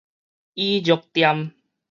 椅褥墊